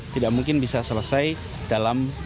tidak mungkin bisa selesai dalam